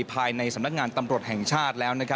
ภายในสำนักงานตำรวจแห่งชาติแล้ว